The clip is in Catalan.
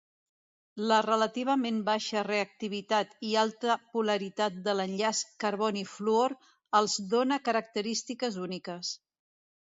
La relativament baixa reactivitat i alta polaritat de l'enllaç carboni-fluor els dóna característiques úniques.